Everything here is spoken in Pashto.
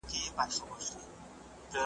ورځ به په خلوت کي د ګناه د حسابو نه وي ,